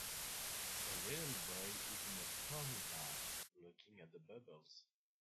A little boy is in a foamy bath, looking at the bubbles.